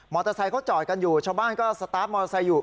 เตอร์ไซค์เขาจอดกันอยู่ชาวบ้านก็สตาร์ทมอเตอร์ไซค์อยู่